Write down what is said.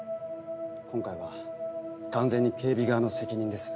今回は完全に警備側の責任です。